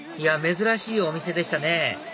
珍しいお店でしたね